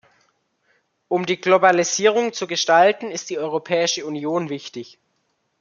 Um die Globalisierung zu gestalten, ist die Europäische Union wichtig.